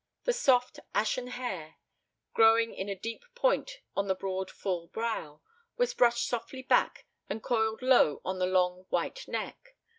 The soft ashen hair, growing in a deep point on the broad full brow, was brushed softly back and coiled low on the long white neck.